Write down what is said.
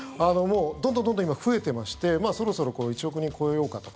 どんどんどんどん今増えてましてそろそろ１億人超えようかと。